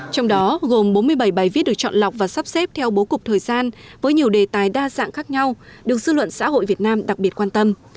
trong đó gồm bốn mươi bảy bài viết được chọn lọc và sắp xếp theo bố cục thời gian với nhiều đề tài đa dạng khác nhau được dư luận xã hội việt nam đặc biệt quan tâm